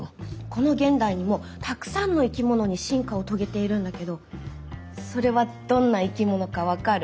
この現代にもたくさんの生き物に進化を遂げているんだけどそれはどんな生き物か分かる？